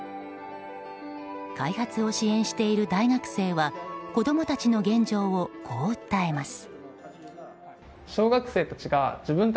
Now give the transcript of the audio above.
開発を支援している大学生は子供たちの現状をこう訴えます。